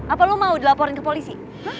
apa lo mau dilaporin ke polisi